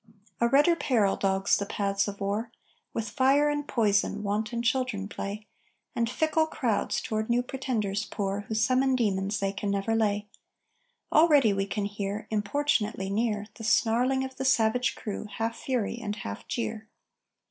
A redder peril dogs the path of war; With fire and poison wanton children play; And fickle crowds toward new pretenders pour Who summon demons they can never lay. Already we can hear, Importunately near, The snarling of the savage crew, half fury and half jeer.